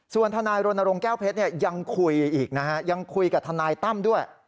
ส่วนฐานายโรนโรงแก้วเพชรยังคุยกับฐานายตั้มด้วย